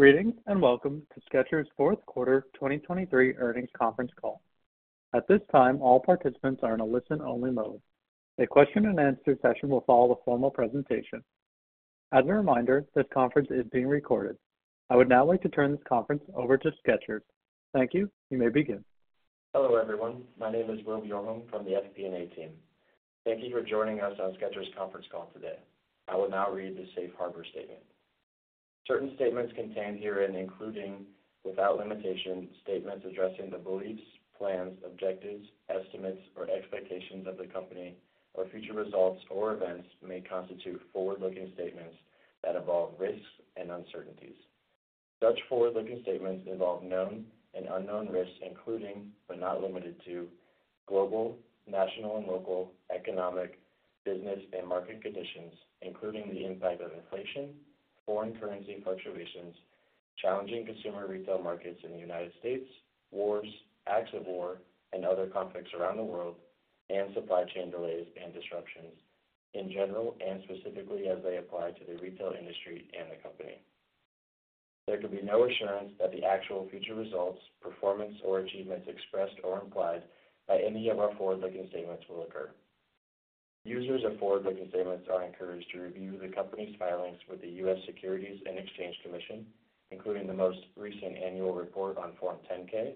Greetings, and welcome to Skechers' fourth quarter 2023 earnings conference call. At this time, all participants are in a listen-only mode. A question-and-answer session will follow the formal presentation. As a reminder, this conference is being recorded. I would now like to turn this conference over to Skechers. Thank you. You may begin. Hello, everyone. My name is Will Bjornholm from the FP&A team. Thank you for joining us on Skechers' conference call today. I will now read the safe harbor statement. Certain statements contained herein, including, without limitation, statements addressing the beliefs, plans, objectives, estimates, or expectations of the company or future results or events, may constitute forward-looking statements that involve risks and uncertainties. Such forward-looking statements involve known and unknown risks, including, but not limited to, global, national, and local economic, business, and market conditions, including the impact of inflation, foreign currency fluctuations, challenging consumer retail markets in the United States, wars, acts of war, and other conflicts around the world, and supply chain delays and disruptions in general, and specifically as they apply to the retail industry and the company. There can be no assurance that the actual future results, performance, or achievements expressed or implied by any of our forward-looking statements will occur. Users of forward-looking statements are encouraged to review the company's filings with the U.S. Securities and Exchange Commission, including the most recent annual report on Form 10-K,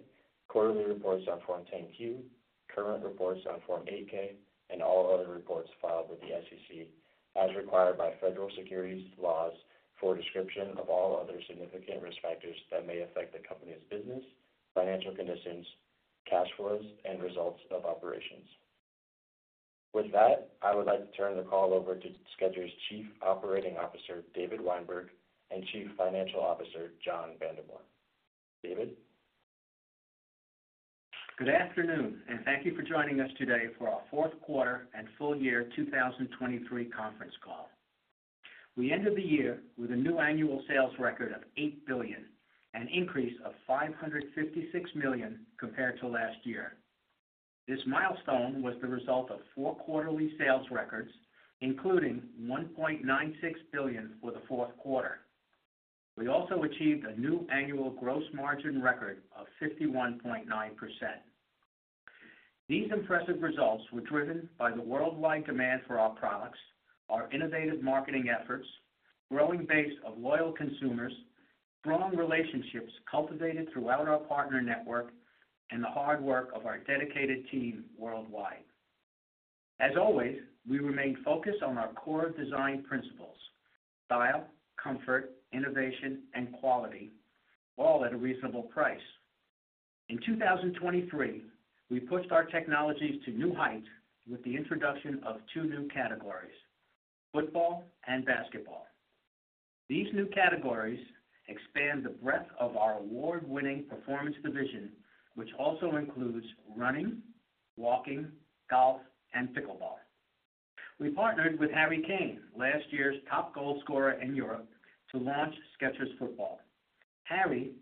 quarterly reports on Form 10-Q, current reports on Form 8-K, and all other reports filed with the SEC, as required by federal securities laws for a description of all other significant risk factors that may affect the company's business, financial conditions, cash flows, and results of operations. With that, I would like to turn the call over to Skechers' Chief Operating Officer, David Weinberg, and Chief Financial Officer, John Vandemore. David? Good afternoon, and thank you for joining us today for our fourth quarter and full year 2023 conference call. We ended the year with a new annual sales record of $8 billion, an increase of $556 million compared to last year. This milestone was the result of four quarterly sales records, including $1.96 billion for the fourth quarter. We also achieved a new annual gross margin record of 51.9%. These impressive results were driven by the worldwide demand for our products, our innovative marketing efforts, growing base of loyal consumers, strong relationships cultivated throughout our partner network, and the hard work of our dedicated team worldwide. As always, we remain focused on our core design principles: style, comfort, innovation, and quality, all at a reasonable price. In 2023, we pushed our technologies to new heights with the introduction of two new categories: football and basketball. These new categories expand the breadth of our award-winning performance division, which also includes running, walking, golf, and pickleball. We partnered with Harry Kane, last year's top goal scorer in Europe, to launch Skechers Football. Harry,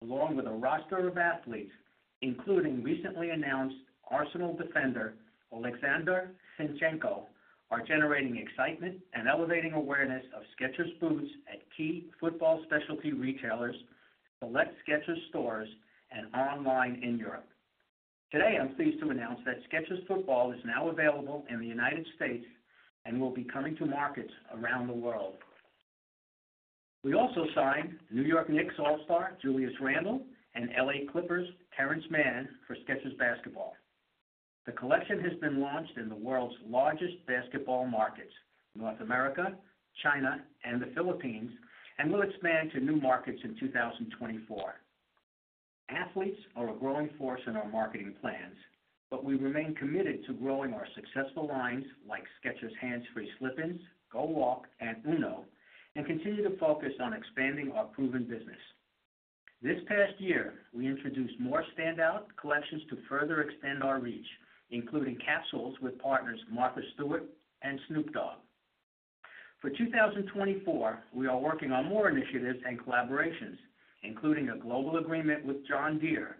along with a roster of athletes, including recently announced Arsenal defender Oleksandr Zinchenko, are generating excitement and elevating awareness of Skechers boots at key football specialty retailers, select Skechers stores, and online in Europe. Today, I'm pleased to announce that Skechers Football is now available in the United States and will be coming to markets around the world. We also signed New York Knicks all-star, Julius Randle, and L.A. Clippers, Terance Mann, for Skechers Basketball. The collection has been launched in the world's largest basketball markets, North America, China, and the Philippines, and will expand to new markets in 2024. Athletes are a growing force in our marketing plans, but we remain committed to growing our successful lines like Skechers Hands Free Slip-ins, GO WALK, and Uno, and continue to focus on expanding our proven business. This past year, we introduced more standout collections to further expand our reach, including capsules with partners Martha Stewart and Snoop Dogg. For 2024, we are working on more initiatives and collaborations, including a global agreement with John Deere,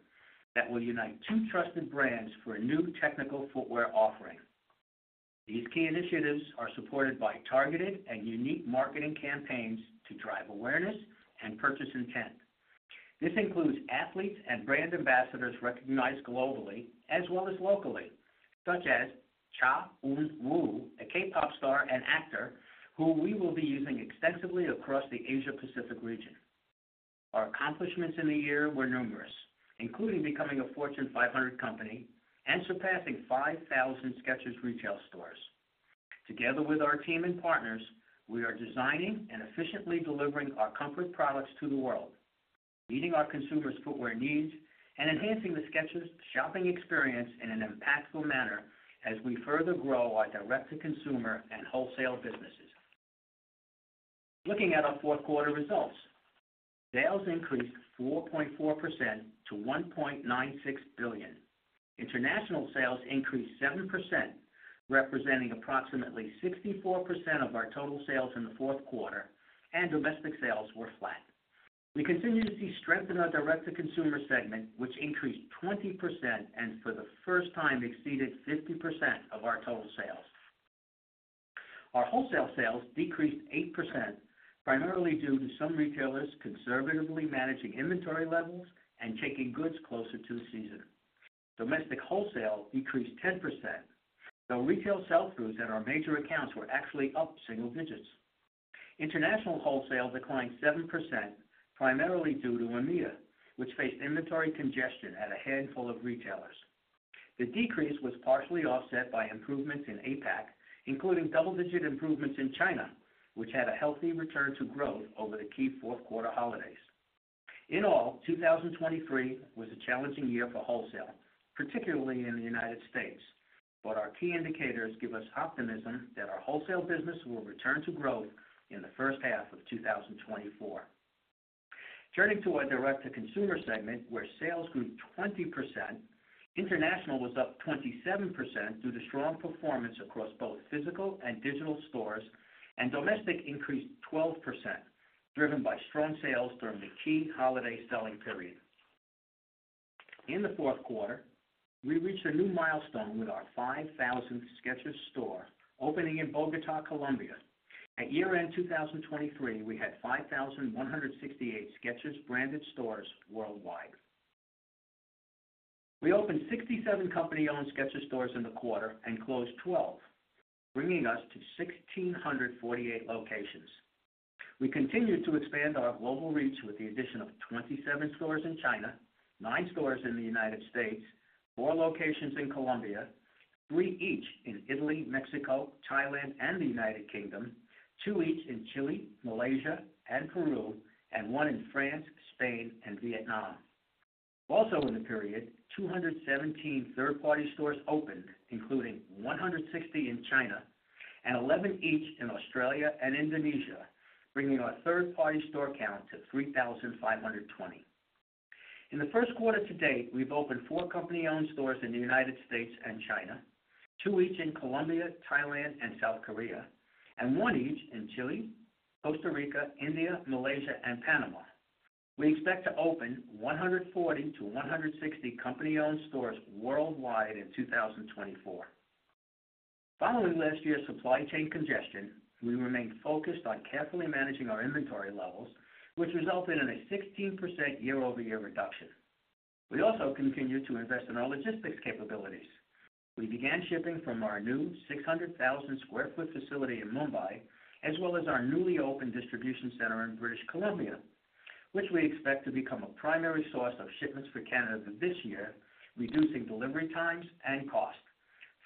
that will unite two trusted brands for a new technical footwear offering. These key initiatives are supported by targeted and unique marketing campaigns to drive awareness and purchase intent. This includes athletes and brand ambassadors recognized globally as well as locally, such as Cha Eun-woo, a K-pop star and actor, who we will be using extensively across the Asia Pacific region. Our accomplishments in the year were numerous, including becoming a Fortune 500 company and surpassing 5,000 Skechers retail stores. Together with our team and partners, we are designing and efficiently delivering our comfort products to the world, meeting our consumers' footwear needs, and enhancing the Skechers shopping experience in an impactful manner as we further grow our direct-to-consumer and wholesale businesses. Looking at our fourth quarter results, sales increased 4.4% to $1.96 billion. International sales increased 7%, representing approximately 64% of our total sales in the fourth quarter, and domestic sales were flat. We continue to see strength in our direct-to-consumer segment, which increased 20% and, for the first time, exceeded 50% of our total sales. Our wholesale sales decreased 8%, primarily due to some retailers conservatively managing inventory levels and taking goods closer to the season. Domestic wholesale decreased 10%, though retail sell-throughs at our major accounts were actually up single digits. International wholesale declined 7%, primarily due to EMEA, which faced inventory congestion at a handful of retailers. The decrease was partially offset by improvements in APAC, including double-digit improvements in China, China, which had a healthy return to growth over the key fourth quarter holidays. In all, 2023 was a challenging year for wholesale, particularly in the United States, but our key indicators give us optimism that our wholesale business will return to growth in the first half of 2024. Turning to our direct-to-consumer segment, where sales grew 20%, international was up 27% due to strong performance across both physical and digital stores, and domestic increased 12%, driven by strong sales during the key holiday selling period. In the fourth quarter, we reached a new milestone with our 5,000th Skechers store opening in Bogotá, Colombia. At year-end 2023, we had 5,168 Skechers branded stores worldwide. We opened 67 company-owned Skechers stores in the quarter and closed 12, bringing us to 1,648 locations. We continued to expand our global reach with the addition of 27 stores in China, 9 stores in the United States, 4 locations in Colombia, 3 each in Italy, Mexico, Thailand, and the United Kingdom, 2 each in Chile, Malaysia, and Peru, and 1 in France, Spain, and Vietnam. Also in the period, 217 third-party stores opened, including 160 in China and 11 each in Australia and Indonesia, bringing our third-party store count to 3,520. In the first quarter to date, we've opened four company-owned stores in the United States and China, two each in Colombia, Thailand, and South Korea, and one each in Chile, Costa Rica, India, Malaysia, and Panama. We expect to open 140-160 company-owned stores worldwide in 2024. Following last year's supply chain congestion, we remained focused on carefully managing our inventory levels, which resulted in a 16% year-over-year reduction. We also continued to invest in our logistics capabilities. We began shipping from our new 600,000 sq ft facility in Mumbai, as well as our newly opened distribution center in British Columbia, which we expect to become a primary source of shipments for Canada this year, reducing delivery times and costs.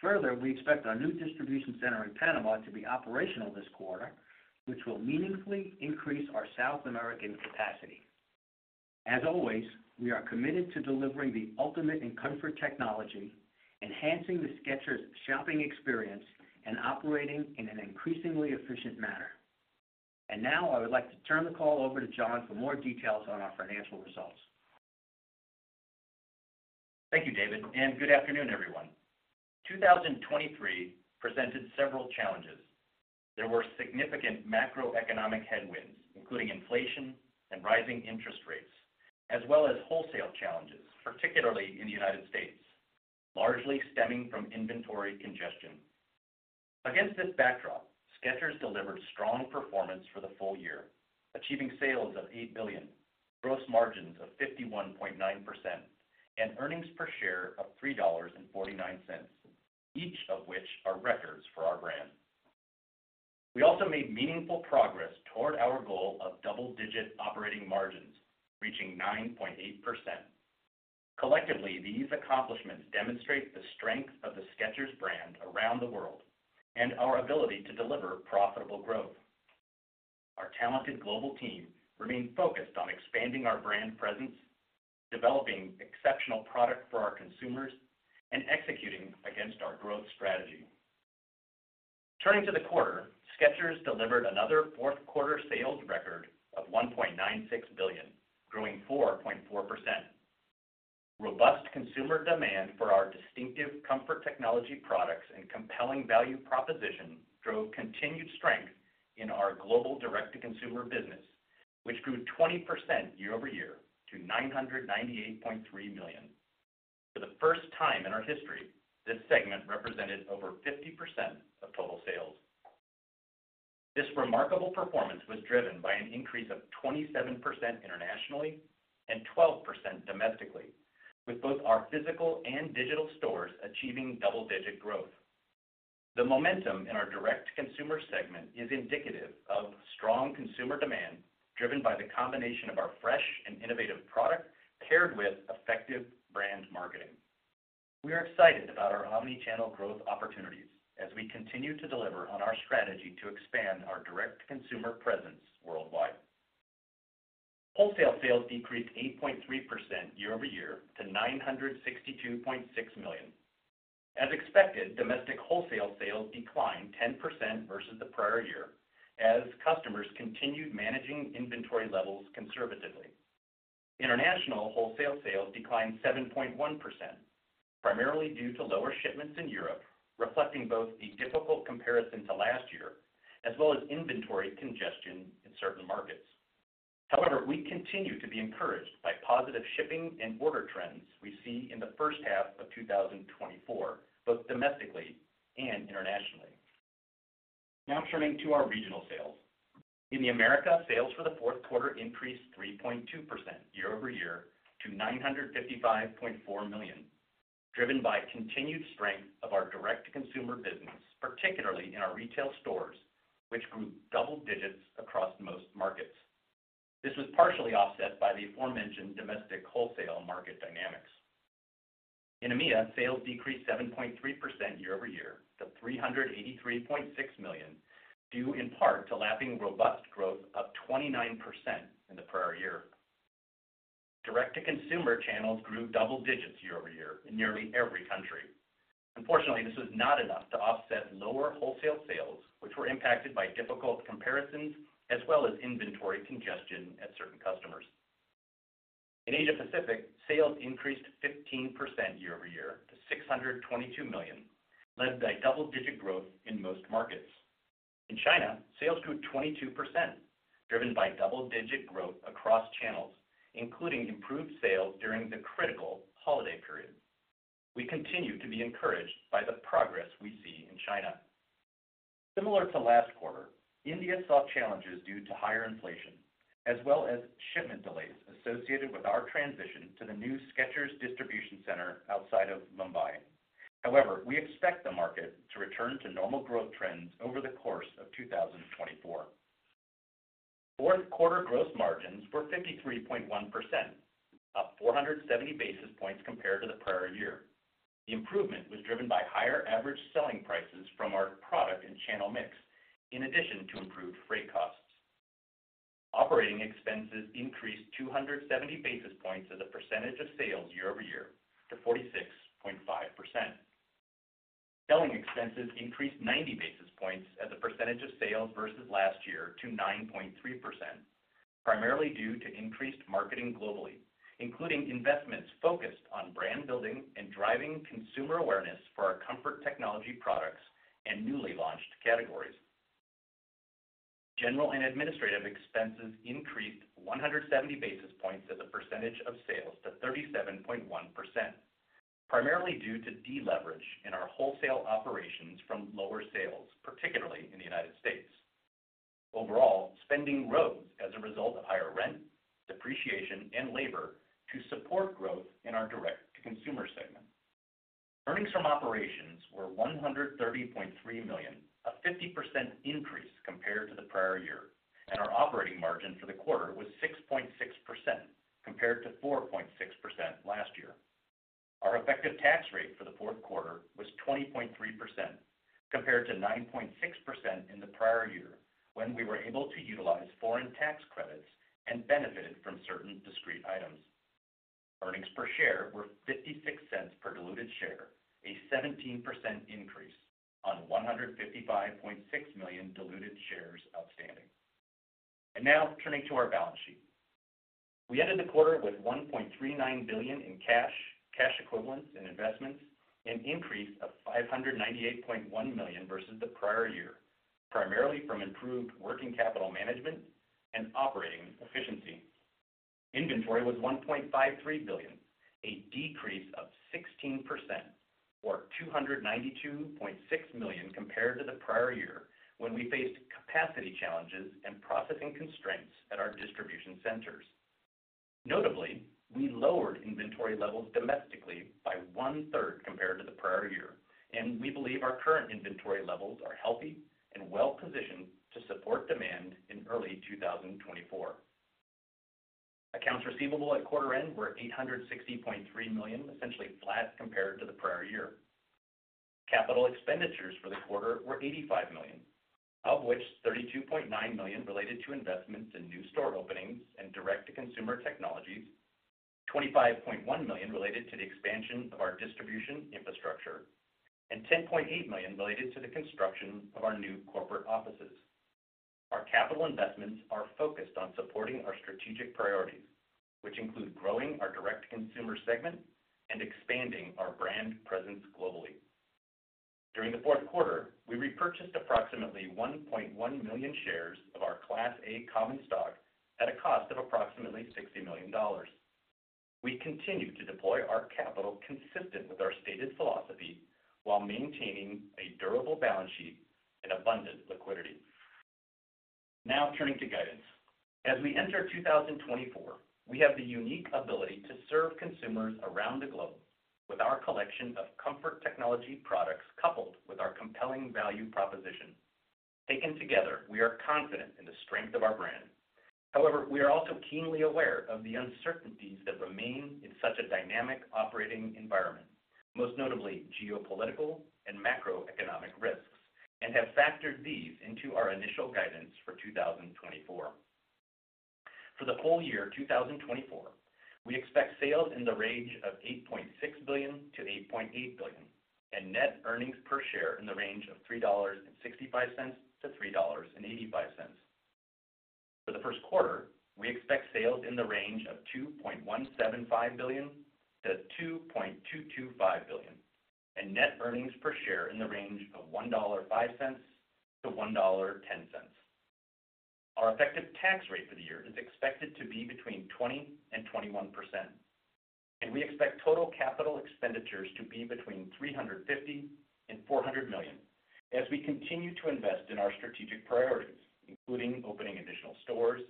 Further, we expect our new distribution center in Panama to be operational this quarter, which will meaningfully increase our South American capacity. As always, we are committed to delivering the ultimate in comfort technology, enhancing the Skechers shopping experience, and operating in an increasingly efficient manner. And now, I would like to turn the call over to John for more details on our financial results. Thank you, David, and good afternoon, everyone. 2023 presented several challenges. There were significant macroeconomic headwinds, including inflation and rising interest rates, as well as wholesale challenges, particularly in the United States, largely stemming from inventory congestion. Against this backdrop, Skechers delivered strong performance for the full year, achieving sales of $8 billion, gross margins of 51.9%, and earnings per share of $3.49, each of which are records for our brand. We also made meaningful progress toward our goal of double-digit operating margins, reaching 9.8%. Collectively, these accomplishments demonstrate the strength of the Skechers brand around the world and our ability to deliver profitable growth. Our talented global team remained focused on expanding our brand presence, developing exceptional product for our consumers, and executing against our growth strategy. Turning to the quarter, Skechers delivered another fourth quarter sales record of $1.96 billion, growing 4.4%. Robust consumer demand for our distinctive comfort technology products and compelling value proposition drove continued strength in our global direct-to-consumer business, which grew 20% year-over-year to $998.3 million. For the first time in our history, this segment represented over 50% of total sales. This remarkable performance was driven by an increase of 27% internationally and 12% domestically, with both our physical and digital stores achieving double-digit growth. The momentum in our direct-to-consumer segment is indicative of strong consumer demand, driven by the combination of our fresh and innovative product paired with effective brand marketing. We are excited about our omni-channel growth opportunities as we continue to deliver on our strategy to expand our direct-to-consumer presence worldwide. Wholesale sales decreased 8.3% year-over-year to $962.6 million. As expected, domestic wholesale sales declined 10% versus the prior year, as customers continued managing inventory levels conservatively. International wholesale sales declined 7.1%, primarily due to lower shipments in Europe, reflecting both the difficult comparison to last year as well as inventory congestion in certain markets. However, we continue to be encouraged by positive shipping and order trends we see in the first half of 2024, both domestically and internationally. Now turning to our regional sales. In the Americas, sales for the fourth quarter increased 3.2% year-over-year to $955.4 million, driven by continued strength of our direct-to-consumer business, particularly in our retail stores, which grew double digits across most markets. This was partially offset by the aforementioned domestic wholesale market dynamics. In EMEA, sales decreased 7.3% year-over-year to $383.6 million, due in part to lapping robust growth of 29% in the prior year. Direct-to-consumer channels grew double digits year-over-year in nearly every country. Unfortunately, this was not enough to offset lower wholesale sales, which were impacted by difficult comparisons as well as inventory congestion at certain customers. In Asia Pacific, sales increased 15% year-over-year to $622 million, led by double-digit growth in most markets. In China, sales grew 22%, driven by double-digit growth across channels, including improved sales during the critical holiday period. We continue to be encouraged by the progress we see in China. Similar to last quarter, India saw challenges due to higher inflation, as well as shipment delays associated with our transition to the new Skechers distribution center outside of Mumbai. However, we expect the market to return to normal growth trends over the course of 2024. Fourth quarter gross margins were 53.1%, up 470 basis points compared to the prior year. The improvement was driven by higher average selling prices from our product and channel mix, in addition to improved freight costs. Operating expenses increased 270 basis points as a percentage of sales year-over-year to 46.5%. Selling expenses increased 90 basis points as a percentage of sales versus last year to 9.3%, primarily due to increased marketing globally, including investments focused on brand building and driving consumer awareness for our comfort technology products and newly launched categories. General and administrative expenses increased 170 basis points as a percentage of sales to 37.1%, primarily due to deleverage in our wholesale operations from lower sales, particularly in the United States. Overall, spending rose as a result of higher rent, depreciation, and labor to support growth in our direct-to-consumer segment. Earnings from operations were $130.3 million, a 50% increase compared to the prior year, and our operating margin for the quarter was 6.6%, compared to 4.6% last year. Our effective tax rate for the fourth quarter was 20.3%, compared to 9.6% in the prior year, when we were able to utilize foreign tax credits and benefited from certain discrete items. Earnings per share were $0.56 per diluted share, a 17% increase on 155.6 million diluted shares outstanding. And now turning to our balance sheet. We ended the quarter with $1.39 billion in cash, cash equivalents, and investments, an increase of $598.1 million versus the prior year, primarily from improved working capital management and operating efficiency. Inventory was $1.53 billion, a decrease of 16% or $292.6 million compared to the prior year, when we faced capacity challenges and processing constraints at our distribution centers. Notably, we lowered inventory levels domestically by one third compared to the prior year, and we believe our current inventory levels are healthy and well-positioned to support demand in early 2024. Accounts receivable at quarter end were $860.3 million, essentially flat compared to the prior year. Capital expenditures for the quarter were $85 million, of which $32.9 million related to investments in new store openings and direct-to-consumer technologies, $25.1 million related to the expansion of our distribution infrastructure, and $10.8 million related to the construction of our new corporate offices. Our capital investments are focused on supporting our strategic priorities, which include growing our direct-to-consumer segment and expanding our brand presence globally. During the fourth quarter, we repurchased approximately 1.1 million shares of our Class A common stock at a cost of approximately $60 million. We continue to deploy our capital consistent with our stated philosophy, while maintaining a durable balance sheet and abundant liquidity. Now turning to guidance. As we enter 2024, we have the unique ability to serve consumers around the globe with our collection of comfort technology products, coupled with our compelling value proposition. Taken together, we are confident in the strength of our brand. However, we are also keenly aware of the uncertainties that remain in such a dynamic operating environment, most notably geopolitical and macroeconomic risks, and have factored these into our initial guidance for 2024. For the full year 2024, we expect sales in the range of $8.6 billion-$8.8 billion, and net earnings per share in the range of $3.65-$3.85. For the first quarter, we expect sales in the range of $2.175 billion-$2.225 billion.... and net earnings per share in the range of $1.05-$1.10. Our effective tax rate for the year is expected to be between 20% and 21%, and we expect total capital expenditures to be between $350 million and $400 million as we continue to invest in our strategic priorities, including opening additional stores,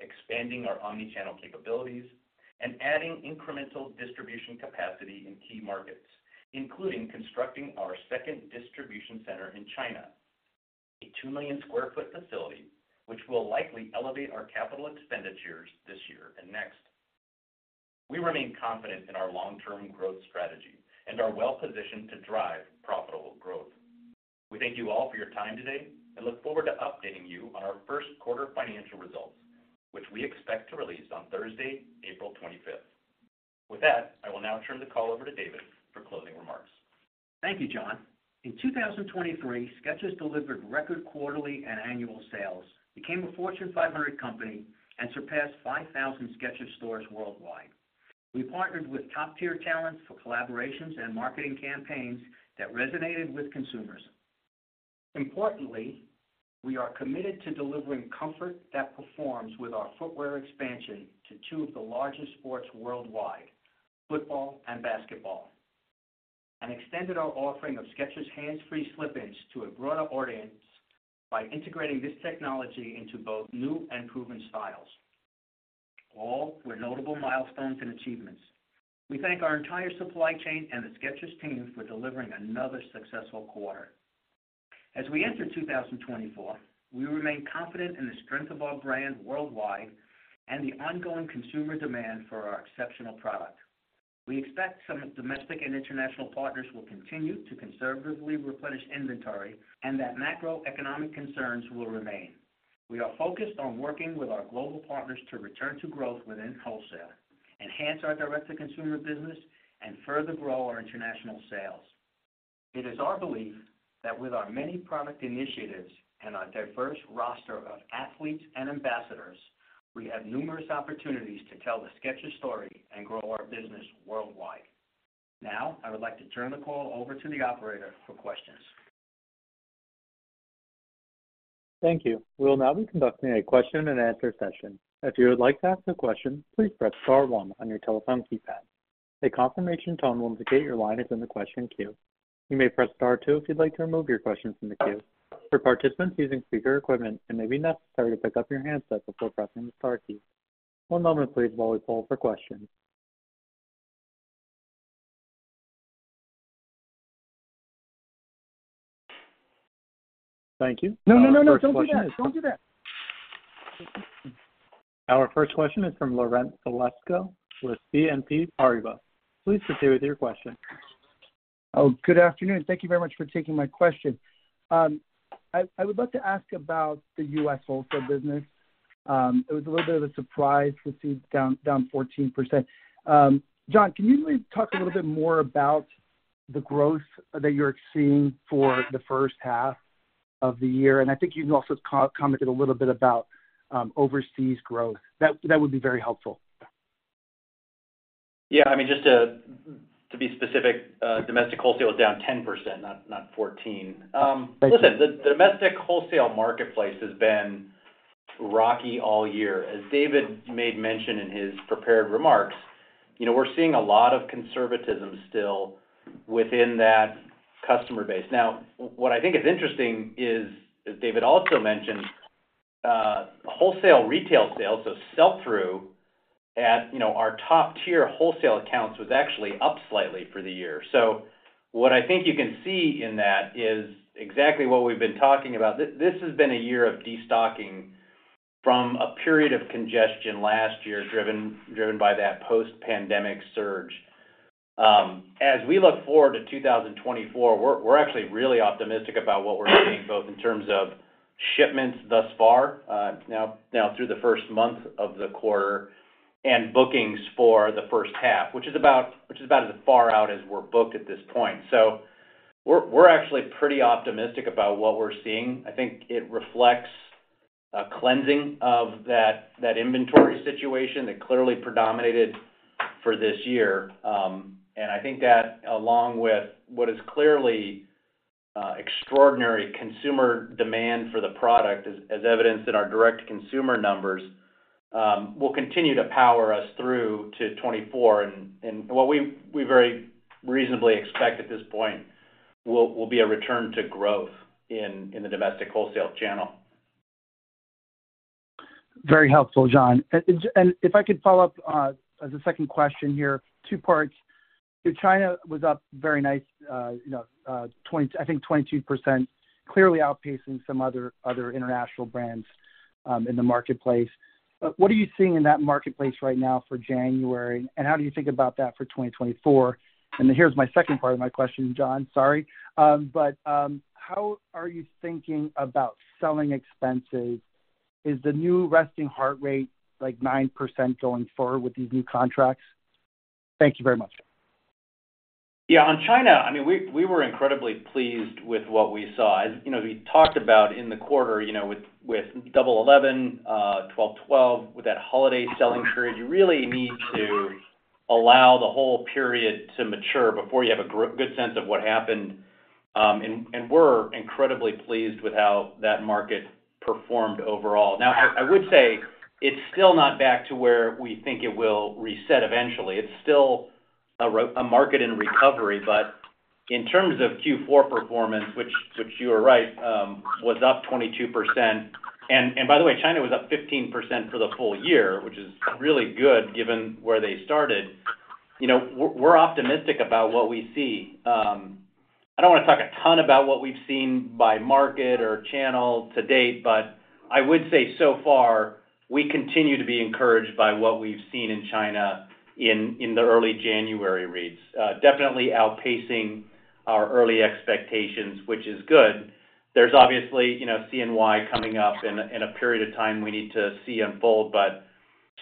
expanding our Omni-channel capabilities, and adding incremental distribution capacity in key markets, including constructing our second distribution center in China, a 2 million sq ft facility, which will likely elevate our capital expenditures this year and next. We remain confident in our long-term growth strategy and are well-positioned to drive profitable growth. We thank you all for your time today and look forward to updating you on our first quarter financial results, which we expect to release on Thursday, April 25. With that, I will now turn the call over to David for closing remarks. Thank you, John. In 2023, Skechers delivered record quarterly and annual sales, became a Fortune 500 company and surpassed 5,000 Skechers stores worldwide. We partnered with top-tier talents for collaborations and marketing campaigns that resonated with consumers. Importantly, we are committed to delivering comfort that performs with our footwear expansion to two of the largest sports worldwide, football and basketball, and extended our offering of Skechers Hands Free Slip-ins to a broader audience by integrating this technology into both new and proven styles. All were notable milestones and achievements. We thank our entire supply chain and the Skechers team for delivering another successful quarter. As we enter 2024, we remain confident in the strength of our brand worldwide and the ongoing consumer demand for our exceptional product. We expect some domestic and international partners will continue to conservatively replenish inventory and that macroeconomic concerns will remain. We are focused on working with our global partners to return to growth within wholesale, enhance our direct-to-consumer business, and further grow our international sales. It is our belief that with our many product initiatives and our diverse roster of athletes and ambassadors, we have numerous opportunities to tell the Skechers story and grow our business worldwide. Now, I would like to turn the call over to the operator for questions. Thank you. We'll now be conducting a question and answer session. If you would like to ask a question, please press star one on your telephone keypad. A confirmation tone will indicate your line is in the question queue. You may press star two if you'd like to remove your question from the queue. For participants using speaker equipment, it may be necessary to pick up your handset before pressing the star key. One moment, please, while we poll for questions. Thank you. No, no, no, no. Don't do that. Don't do that. Our first question is from Laurent Vasilescu with BNP Paribas. Please proceed with your question. Oh, good afternoon. Thank you very much for taking my question. I would like to ask about the U.S. wholesale business. It was a little bit of a surprise to see it down 14%. John, can you maybe talk a little bit more about the growth that you're seeing for the first half of the year? And I think you can also commented a little bit about overseas growth. That would be very helpful. Yeah, I mean, just to be specific, domestic wholesale is down 10%, not 14%. Thank you. Listen, the domestic wholesale marketplace has been rocky all year. As David made mention in his prepared remarks, you know, we're seeing a lot of conservatism still within that customer base. Now, what I think is interesting is, as David also mentioned, wholesale retail sales, so sell-through at, you know, our top-tier wholesale accounts was actually up slightly for the year. So what I think you can see in that is exactly what we've been talking about. This has been a year of destocking from a period of congestion last year, driven by that post-pandemic surge. As we look forward to 2024, we're actually really optimistic about what we're seeing, both in terms of shipments thus far, now through the first month of the quarter, and bookings for the first half, which is about as far out as we're booked at this point. So we're actually pretty optimistic about what we're seeing. I think it reflects a cleansing of that inventory situation that clearly predominated for this year. And I think that along with what is clearly extraordinary consumer demand for the product, as evidenced in our direct consumer numbers, will continue to power us through to 2024. And what we very reasonably expect at this point will be a return to growth in the domestic wholesale channel. Very helpful, John. If I could follow up as a second question here, two parts. China was up very nice, you know, I think 22%, clearly outpacing some other international brands in the marketplace. What are you seeing in that marketplace right now for January, and how do you think about that for 2024? Here's my second part of my question, John, sorry. But how are you thinking about selling expenses? Is the new SG&A rate, like, 9% going forward with these new contracts? Thank you very much. Yeah, on China, I mean, we were incredibly pleased with what we saw. As you know, we talked about in the quarter, you know, with Double Eleven, Twelve Twelve, with that holiday selling period, you really need to allow the whole period to mature before you have a good sense of what happened. And we're incredibly pleased with how that market performed overall. Now, I would say it's still not back to where we think it will reset eventually. It's still a market in recovery, but in terms of Q4 performance, which you are right, was up 22%. And by the way, China was up 15% for the full year, which is really good given where they started. You know, we're optimistic about what we see. I don't wanna talk a ton about what we've seen by market or channel to date, but I would say so far, we continue to be encouraged by what we've seen in China in the early January reads. Definitely outpacing our early expectations, which is good. There's obviously, you know, CNY coming up and a period of time we need to see unfold, but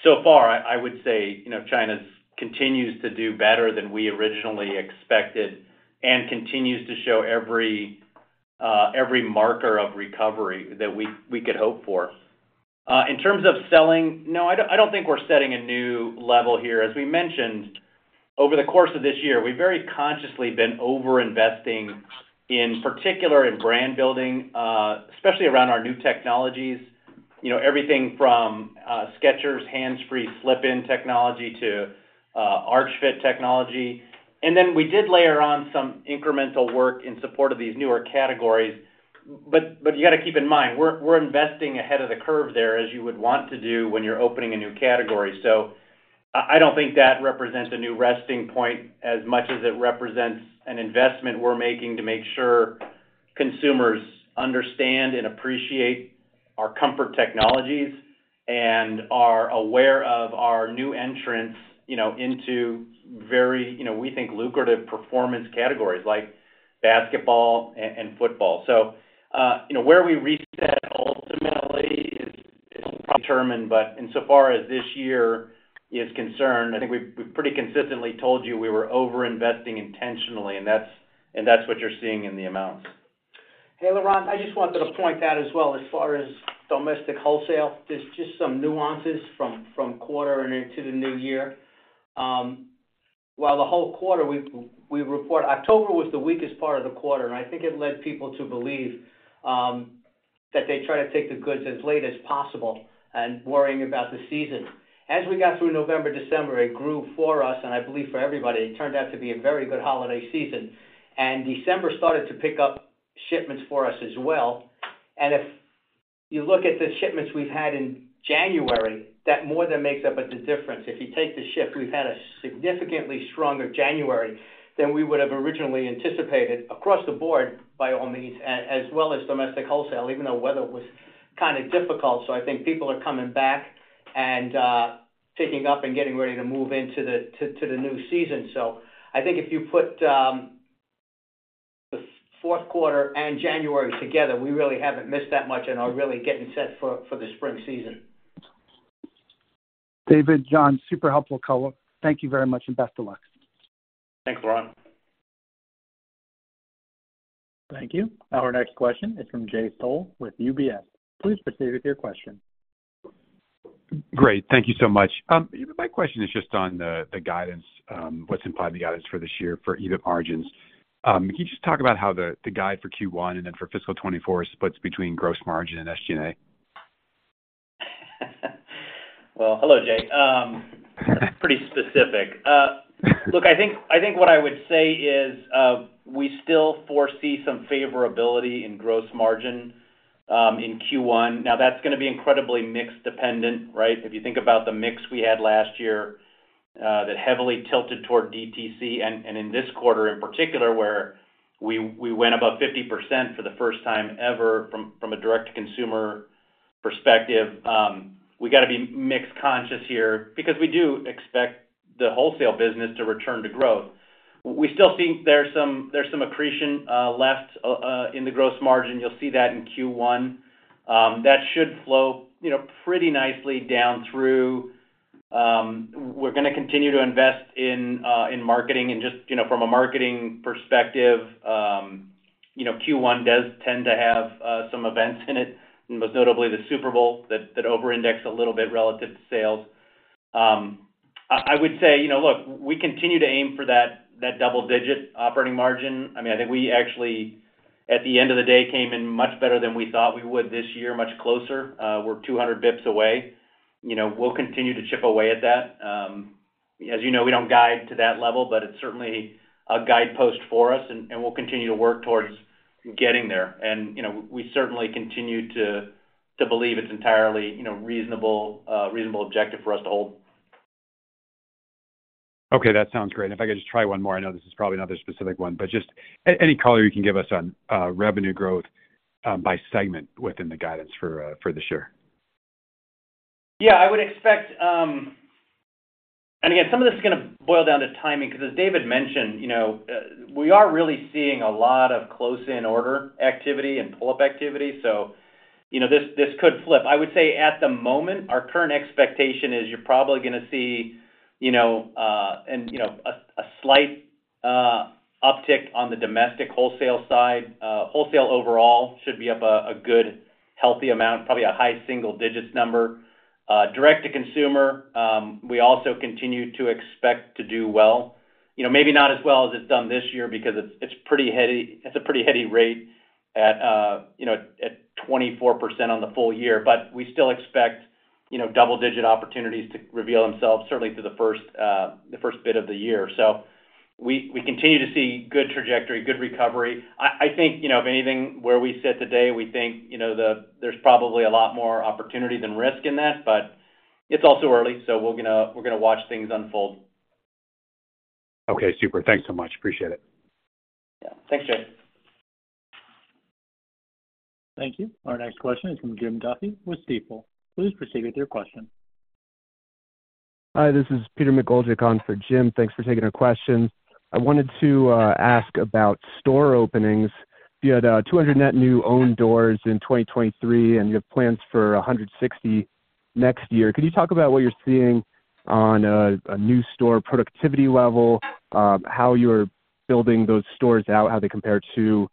so far, I would say, you know, China continues to do better than we originally expected and continues to show every marker of recovery that we could hope for. In terms of selling, no, I don't think we're setting a new level here. As we mentioned, over the course of this year, we've very consciously been over-investing, in particular, in brand building, especially around our new technologies. You know, everything from Skechers Hands Free Slip-ins technology to Arch Fit technology. And then we did layer on some incremental work in support of these newer categories. But you gotta keep in mind, we're investing ahead of the curve there, as you would want to do when you're opening a new category. So I don't think that represents a new resting point as much as it represents an investment we're making to make sure consumers understand and appreciate our comfort technologies, and are aware of our new entrants, you know, into very, you know, we think, lucrative performance categories like basketball and football. So, you know, where we reset ultimately is determined, but insofar as this year is concerned, I think we've pretty consistently told you we were over-investing intentionally, and that's what you're seeing in the amounts. Hey, Laurent, I just wanted to point out as well, as far as domestic wholesale, there's just some nuances from quarter and into the new year. While the whole quarter we report, October was the weakest part of the quarter, and I think it led people to believe that they try to take the goods as late as possible and worrying about the season. As we got through November, December, it grew for us, and I believe for everybody, it turned out to be a very good holiday season. And December started to pick up shipments for us as well. And if you look at the shipments we've had in January, that more than makes up at the difference. If you take the ship, we've had a significantly stronger January than we would have originally anticipated across the board, by all means, as well as domestic wholesale, even though weather was kind of difficult. So I think people are coming back and picking up and getting ready to move into the new season. So I think if you put the fourth quarter and January together, we really haven't missed that much and are really getting set for the spring season. David, John, super helpful call. Thank you very much, and best of luck. Thanks, Laurent. Thank you. Our next question is from Jay Sole with UBS. Please proceed with your question. Great. Thank you so much. My question is just on the guidance, what's implied in the guidance for this year for EBIT margins. Can you just talk about how the guide for Q1 and then for fiscal 2024 splits between gross margin and SG&A? Well, hello, Jay. Pretty specific. Look, I think what I would say is, we still foresee some favorability in gross margin in Q1. Now, that's gonna be incredibly mix dependent, right? If you think about the mix we had last year, that heavily tilted toward DTC, and in this quarter, in particular, where we went above 50% for the first time ever from a direct to consumer perspective, we gotta be mix conscious here because we do expect the wholesale business to return to growth. We still think there's some accretion left in the gross margin. You'll see that in Q1. That should flow, you know, pretty nicely down through... We're gonna continue to invest in marketing and just, you know, from a marketing perspective, you know, Q1 does tend to have some events in it, most notably the Super Bowl, that over-index a little bit relative to sales. I would say, you know, look, we continue to aim for that double-digit operating margin. I mean, I think we actually, at the end of the day, came in much better than we thought we would this year, much closer. We're 200 bps away. You know, we'll continue to chip away at that. As you know, we don't guide to that level, but it's certainly a guidepost for us, and we'll continue to work towards getting there. And, you know, we certainly continue to believe it's entirely, you know, reasonable objective for us to hold. Okay, that sounds great. If I could just try one more, I know this is probably another specific one, but just any color you can give us on revenue growth by segment within the guidance for this year? Yeah, I would expect. And again, some of this is gonna boil down to timing, because as David mentioned, you know, we are really seeing a lot of close-in order activity and pull-up activity. So, you know, this, this could flip. I would say at the moment, our current expectation is you're probably gonna see, you know, and, you know, a, a slight uptick on the domestic wholesale side. Wholesale overall should be up a, a good, healthy amount, probably a high single digits number. Direct to consumer, we also continue to expect to do well. You know, maybe not as well as it's done this year because it's, it's pretty heady, it's a pretty heady rate at, you know, at 24% on the full year. But we still expect, you know, double-digit opportunities to reveal themselves, certainly through the first, the first bit of the year. So we, we continue to see good trajectory, good recovery. I think, you know, if anything, where we sit today, we think, you know, there's probably a lot more opportunity than risk in that, but it's all too early, so we're gonna, we're gonna watch things unfold. Okay, super. Thanks so much. Appreciate it. Yeah. Thanks, Jay. Thank you. Our next question is from Jim Duffy with Stifel. Please proceed with your question. Hi, this is Peter McGoldrick for Jim. Thanks for taking our question. I wanted to ask about store openings. You had 200 net new own doors in 2023, and you have plans for 160 next year. Could you talk about what you're seeing on a new store productivity level, how you're building those stores out, how they compare to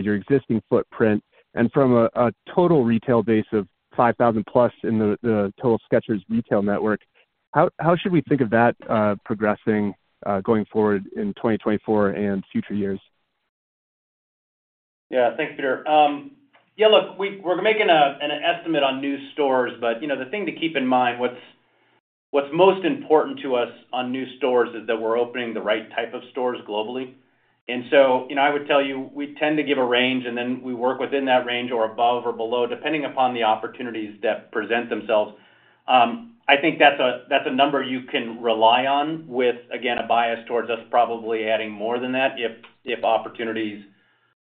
your existing footprint? And from a total retail base of 5,000+ in the total Skechers retail network, how should we think of that progressing going forward in 2024 and future years? Yeah. Thanks, Peter. Yeah, look, we're making an estimate on new stores, but you know, the thing to keep in mind, what's most important to us on new stores is that we're opening the right type of stores globally. So, you know, I would tell you, we tend to give a range, and then we work within that range or above or below, depending upon the opportunities that present themselves. I think that's a number you can rely on with, again, a bias towards us probably adding more than that, if opportunities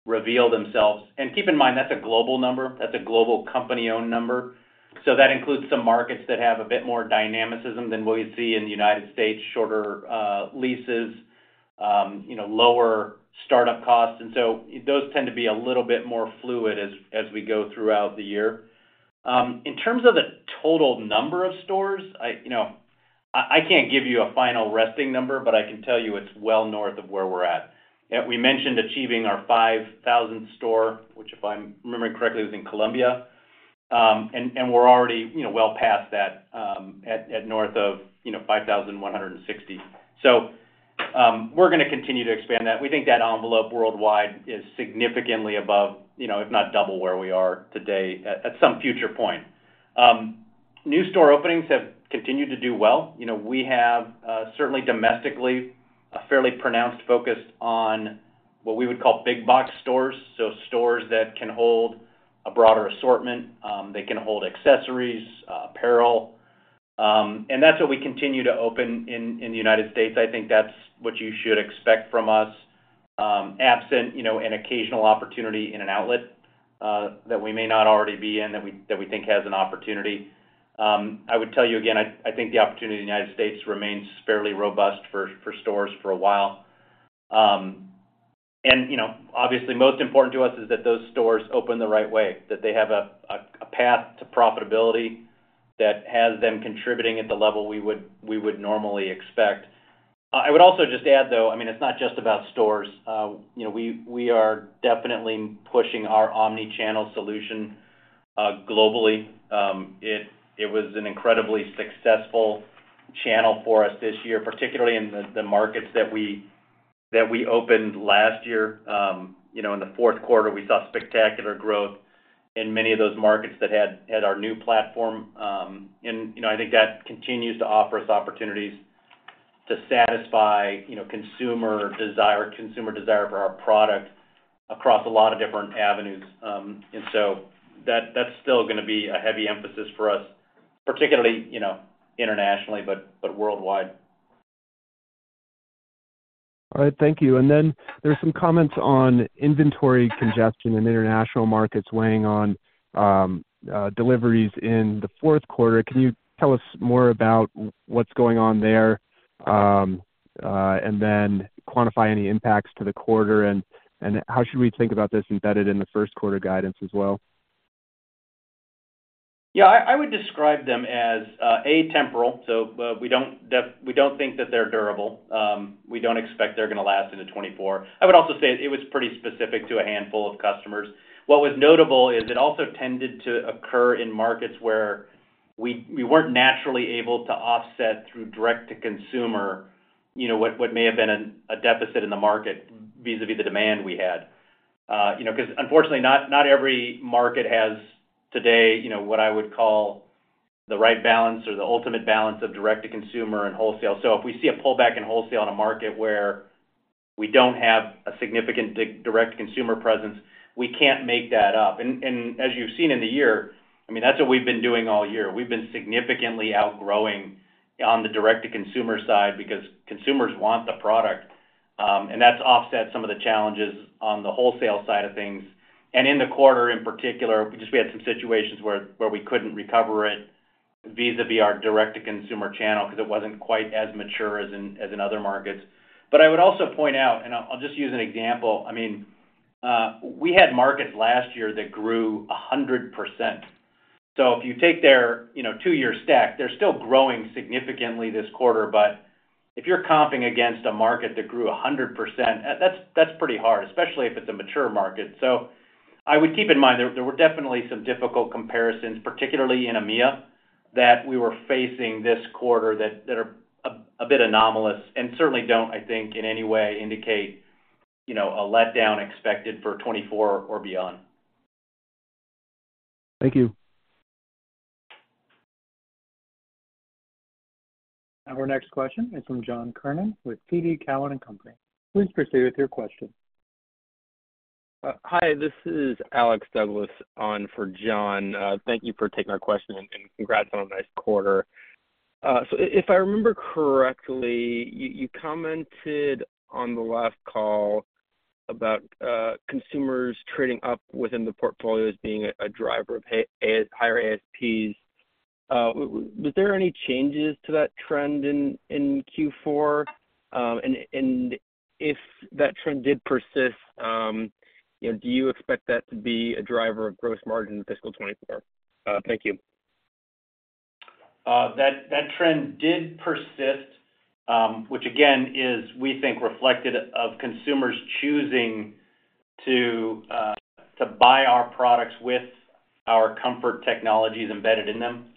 reveal themselves. Keep in mind, that's a global number. That's a global company-owned number. So that includes some markets that have a bit more dynamism than what you'd see in the United States, shorter leases, you know, lower startup costs, and so those tend to be a little bit more fluid as we go throughout the year. In terms of the total number of stores, you know, I can't give you a final resting number, but I can tell you it's well north of where we're at. We mentioned achieving our 5,000th store, which, if I'm remembering correctly, was in Colombia. And we're already, you know, well past that, at north of, you know, 5,160. So, we're gonna continue to expand that. We think that envelope worldwide is significantly above, you know, if not double, where we are today at some future point. New store openings have continued to do well. You know, we have certainly domestically a fairly pronounced focus on what we would call big box stores. So stores that can hold a broader assortment, they can hold accessories, apparel, and that's what we continue to open in the United States. I think that's what you should expect from us, absent, you know, an occasional opportunity in an outlet that we may not already be in, that we think has an opportunity. I would tell you again, I think the opportunity in the United States remains fairly robust for stores for a while. And, you know, obviously, most important to us is that those stores open the right way, that they have a path to profitability that has them contributing at the level we would normally expect. I would also just add, though, I mean, it's not just about stores. You know, we are definitely pushing our Omni-channel solution globally. It was an incredibly successful channel for us this year, particularly in the markets that we opened last year. You know, in the fourth quarter, we saw spectacular growth in many of those markets that had our new platform. And, you know, I think that continues to offer us opportunities to satisfy, you know, consumer desire for our product across a lot of different avenues. And so that's still gonna be a heavy emphasis for us, particularly, you know, internationally, but worldwide. All right, thank you. Then there are some comments on inventory congestion in international markets weighing on deliveries in the fourth quarter. Can you tell us more about what's going on there, and then quantify any impacts to the quarter? And how should we think about this embedded in the first quarter guidance as well? Yeah, I would describe them as atemporal, so we don't think that they're durable. We don't expect they're gonna last into 2024. I would also say it was pretty specific to a handful of customers. What was notable is it also tended to occur in markets where we weren't naturally able to offset through direct to consumer, you know, what may have been a deficit in the market vis-à-vis the demand we had. You know, because unfortunately, not every market has today, you know, what I would call the right balance or the ultimate balance of direct to consumer and wholesale. So if we see a pullback in wholesale in a market where we don't have a significant direct to consumer presence, we can't make that up. And as you've seen in the year, I mean, that's what we've been doing all year. We've been significantly outgrowing on the direct to consumer side because consumers want the product. And that's offset some of the challenges on the wholesale side of things. And in the quarter, in particular, we just had some situations where we couldn't recover it vis-à-vis our direct to consumer channel, because it wasn't quite as mature as in other markets. But I would also point out, and I'll just use an example. I mean, we had markets last year that grew 100%. So if you take their, you know, two-year stack, they're still growing significantly this quarter. But if you're comping against a market that grew 100%, that's pretty hard, especially if it's a mature market. So I would keep in mind, there were definitely some difficult comparisons, particularly in EMEA, that we were facing this quarter, that are a bit anomalous and certainly don't, I think, in any way indicate, you know, a letdown expected for 2024 or beyond. Thank you. Our next question is from John Kernan with TD Cowen and Company. Please proceed with your question. Hi, this is Alex Douglas on for John. Thank you for taking our question, and congrats on a nice quarter. So if I remember correctly, you commented on the last call about consumers trading up within the portfolios being a driver of higher ASPs. Was there any changes to that trend in Q4? And if that trend did persist, you know, do you expect that to be a driver of gross margin in fiscal 2024? Thank you. That trend did persist, which again, is we think reflected of consumers choosing to buy our products with our comfort technologies embedded in them.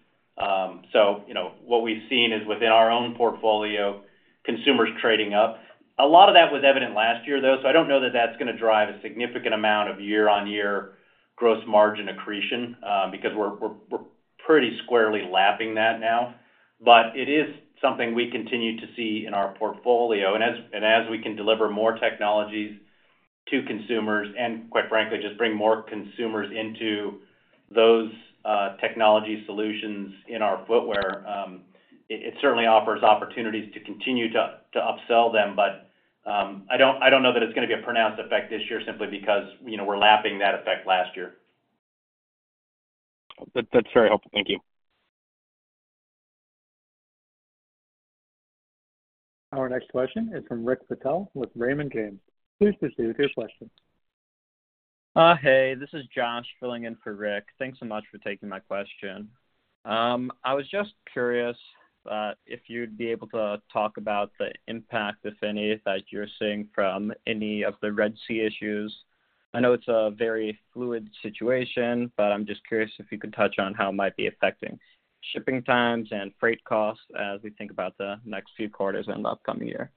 So you know, what we've seen is within our own portfolio, consumers trading up. A lot of that was evident last year, though, so I don't know that that's gonna drive a significant amount of year-on-year gross margin accretion, because we're pretty squarely lapping that now. But it is something we continue to see in our portfolio. And as we can deliver more technologies to consumers and quite frankly, just bring more consumers into those technology solutions in our footwear, it certainly offers opportunities to continue to upsell them. But, I don't know that it's gonna be a pronounced effect this year simply because, you know, we're lapping that effect last year. That, that's very helpful. Thank you. Our next question is from Rick Patel with Raymond James. Please proceed with your question. Hey, this is Josh filling in for Rick. Thanks so much for taking my question. I was just curious, if you'd be able to talk about the impact, if any, that you're seeing from any of the Red Sea issues. I know it's a very fluid situation, but I'm just curious if you could touch on how it might be affecting shipping times and freight costs as we think about the next few quarters and the upcoming year.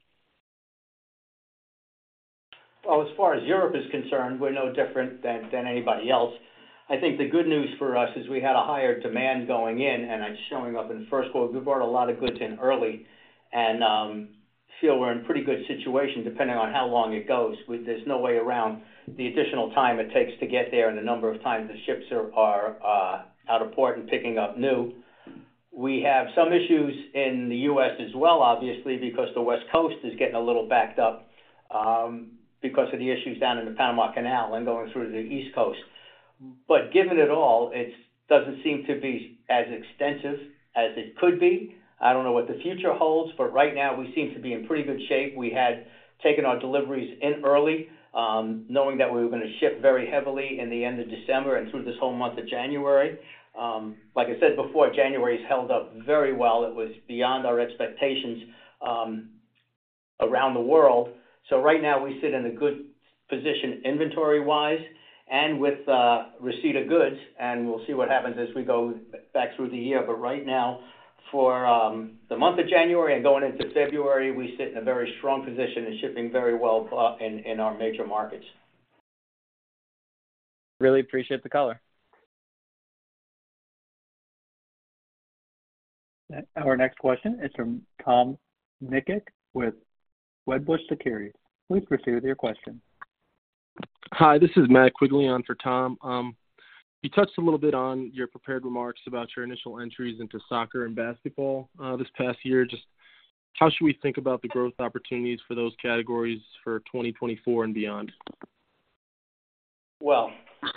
Well, as far as Europe is concerned, we're no different than anybody else. I think the good news for us is we had a higher demand going in, and it's showing up in the first quarter. We brought a lot of goods in early and feel we're in pretty good situation, depending on how long it goes. There's no way around the additional time it takes to get there and the number of times the ships are out of port and picking up new. We have some issues in the U.S. as well, obviously, because the West Coast is getting a little backed up because of the issues down in the Panama Canal and going through the East Coast. But given it all, it doesn't seem to be as extensive as it could be. I don't know what the future holds, but right now we seem to be in pretty good shape. We had taken our deliveries in early, knowing that we were gonna ship very heavily in the end of December and through this whole month of January. Like I said before, January's held up very well. It was beyond our expectations, around the world. So right now, we sit in a good position inventory wise and with receipt of goods, and we'll see what happens as we go back through the year. But right now, for the month of January and going into February, we sit in a very strong position and shipping very well in our major markets. Really appreciate the color. Our next question is from Tom Nikic with Wedbush Securities. Please proceed with your question. Hi, this is Matt Quigley on for Tom. You touched a little bit on your prepared remarks about your initial entries into soccer and basketball, this past year. Just how should we think about the growth opportunities for those categories for 2024 and beyond? Well,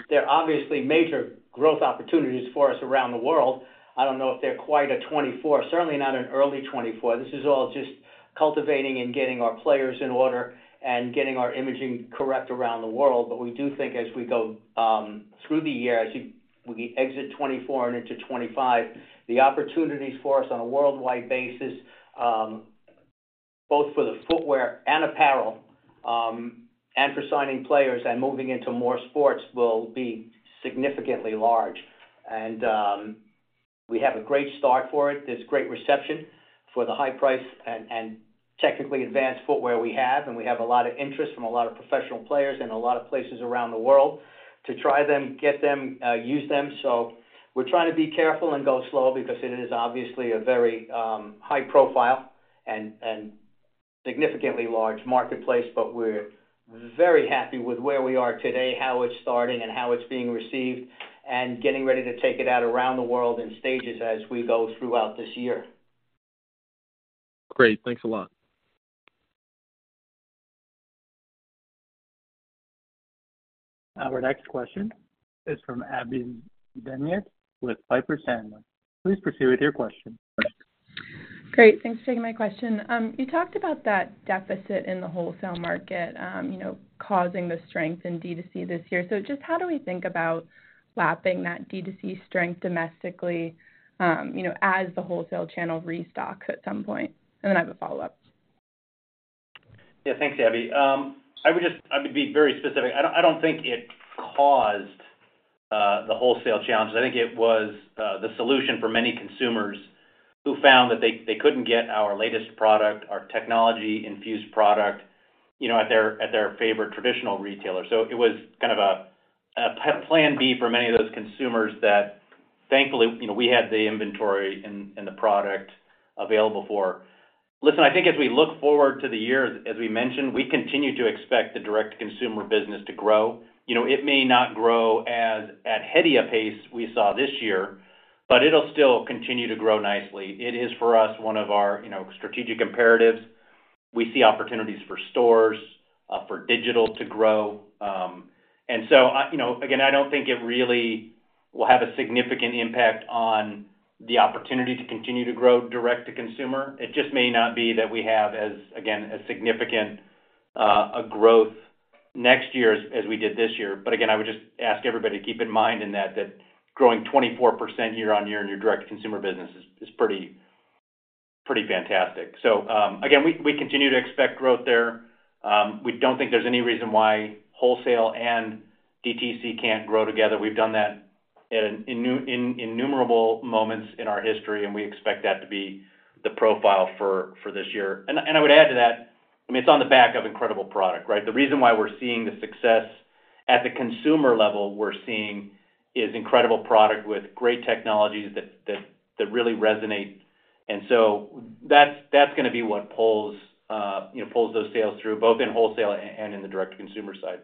they're obviously major growth opportunities for us around the world. I don't know if they're quite a 2024, certainly not in early 2024. This is all just cultivating and getting our players in order and getting our imaging correct around the world. But we do think as we go through the year, as you- we exit 2024 and into 2025, the opportunities for us on a worldwide basis, both for the footwear and apparel, and for signing players and moving into more sports, will be significantly large. And, we have a great start for it. There's great reception for the high price and, and technically advanced footwear we have, and we have a lot of interest from a lot of professional players in a lot of places around the world to try them, get them, use them. So we're trying to be careful and go slow because it is obviously a very, high profile and significantly large marketplace. But we're very happy with where we are today, how it's starting, and how it's being received, and getting ready to take it out around the world in stages as we go throughout this year. Great. Thanks a lot. Our next question is from Abbie Zvejnieks with Piper Sandler. Please proceed with your question. Great. Thanks for taking my question. You talked about that deficit in the wholesale market, you know, causing the strength in D2C this year. So just how do we think about lapping that D2C strength domestically, you know, as the wholesale channel restocks at some point? And then I have a follow-up. Yeah. Thanks, Abbie. I would be very specific. I don't, I don't think it caused the wholesale challenge. I think it was the solution for many consumers who found that they couldn't get our latest product, our technology-infused product, you know, at their favorite traditional retailer. So it was kind of a plan B for many of those consumers that thankfully, you know, we had the inventory and the product available for. Listen, I think as we look forward to the year, as we mentioned, we continue to expect the direct-to-consumer business to grow. You know, it may not grow as heady a pace we saw this year, but it'll still continue to grow nicely. It is, for us, one of our, you know, strategic imperatives. We see opportunities for stores, for digital to grow. And so, you know, again, I don't think it really will have a significant impact on the opportunity to continue to grow direct-to-consumer. It just may not be that we have as, again, a significant growth next year as we did this year. But again, I would just ask everybody to keep in mind that growing 24% year-on-year in your direct-to-consumer business is pretty, pretty fantastic. So, again, we continue to expect growth there. We don't think there's any reason why wholesale and DTC can't grow together. We've done that in innumerable moments in our history, and we expect that to be the profile for this year. And I would add to that, I mean, it's on the back of incredible product, right? The reason why we're seeing the success at the consumer level we're seeing is incredible product with great technologies that really resonate. And so that's gonna be what pulls, you know, pulls those sales through, both in wholesale and in the direct-to-consumer side.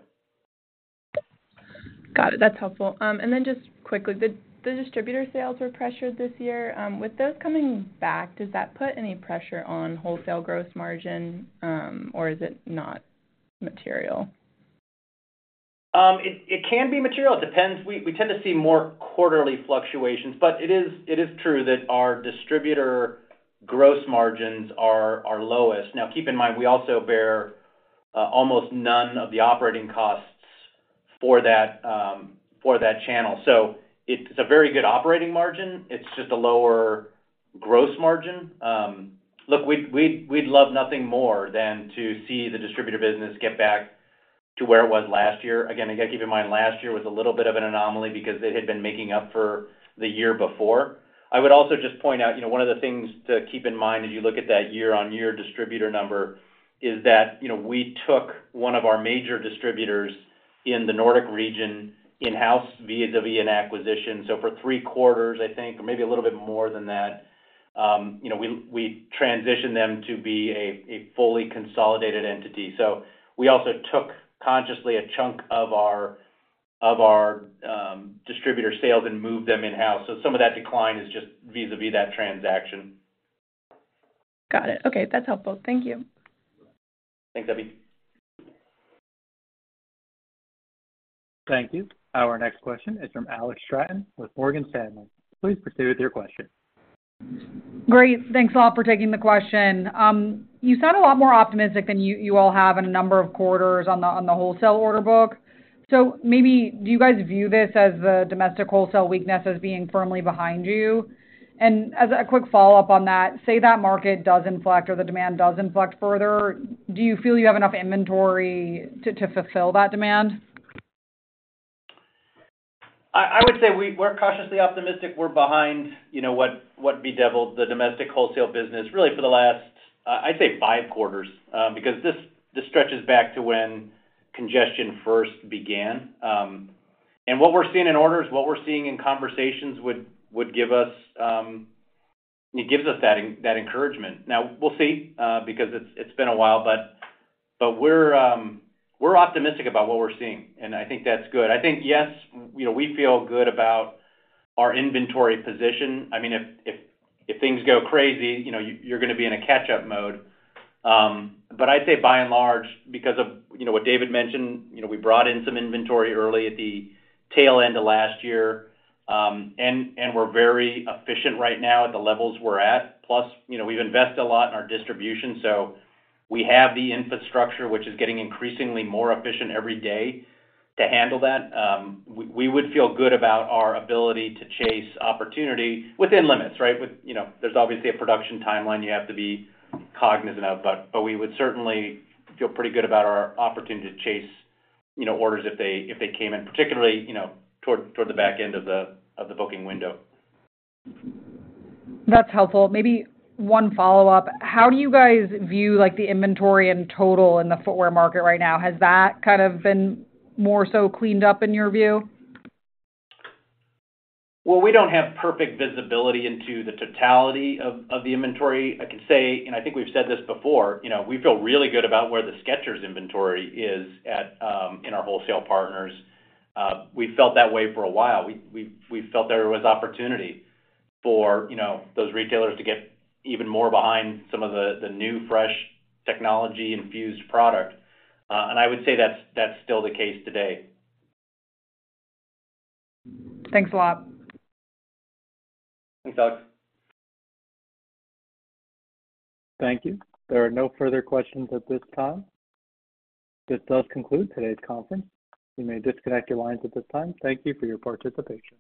Got it. That's helpful. And then just quickly, the distributor sales were pressured this year. With those coming back, does that put any pressure on wholesale gross margin, or is it not material? It can be material. It depends. We tend to see more quarterly fluctuations, but it is true that our distributor gross margins are lowest. Now, keep in mind, we also bear almost none of the operating costs for that channel, so it's a very good operating margin. It's just a lower gross margin. Look, we'd love nothing more than to see the distributor business get back to where it was last year. Again, you got to keep in mind, last year was a little bit of an anomaly because it had been making up for the year before. I would also just point out, you know, one of the things to keep in mind as you look at that year-on-year distributor number is that, you know, we took one of our major distributors in the Nordic region in-house vis-a-vis an acquisition. So for three quarters, I think, or maybe a little bit more than that, you know, we transitioned them to be a fully consolidated entity. So we also took, consciously, a chunk of our distributor sales and moved them in-house. So some of that decline is just vis-a-vis that transaction. Got it. Okay, that's helpful. Thank you. Thanks, Abbie. Thank you. Our next question is from Alex Straton with Morgan Stanley. Please proceed with your question. Great. Thanks a lot for taking the question. You sound a lot more optimistic than you all have in a number of quarters on the wholesale order book. So maybe do you guys view this as the domestic wholesale weakness as being firmly behind you? And as a quick follow-up on that, say that market does inflect or the demand does inflect further, do you feel you have enough inventory to fulfill that demand? I would say we're cautiously optimistic. We're behind, you know, what bedeviled the domestic wholesale business, really for the last, I'd say five quarters, because this stretches back to when congestion first began. And what we're seeing in orders, what we're seeing in conversations would give us... It gives us that encouragement. Now, we'll see, because it's been a while, but we're optimistic about what we're seeing, and I think that's good. I think, yes, you know, we feel good about our inventory position. I mean, if things go crazy, you know, you're gonna be in a catch-up mode. But I'd say by and large, because of, you know, what David mentioned, you know, we brought in some inventory early at the tail end of last year, and we're very efficient right now at the levels we're at. Plus, you know, we've invested a lot in our distribution, so we have the infrastructure, which is getting increasingly more efficient every day to handle that. We would feel good about our ability to chase opportunity within limits, right? With, you know, there's obviously a production timeline you have to be cognizant of, but we would certainly feel pretty good about our opportunity to chase, you know, orders if they came in, particularly, you know, toward the back end of the booking window. That's helpful. Maybe one follow-up: How do you guys view, like, the inventory in total in the footwear market right now? Has that kind of been more so cleaned up in your view? Well, we don't have perfect visibility into the totality of the inventory. I can say, and I think we've said this before, you know, we feel really good about where the Skechers inventory is at in our wholesale partners. We felt that way for a while. We felt there was opportunity for, you know, those retailers to get even more behind some of the new, fresh technology-infused product. And I would say that's still the case today. Thanks a lot. Thanks, Alex. Thank you. There are no further questions at this time. This does conclude today's conference. You may disconnect your lines at this time. Thank you for your participation.